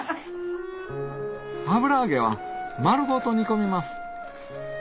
油揚げは丸ごと煮込みます